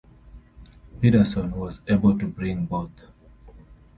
Pederson was able to bring both.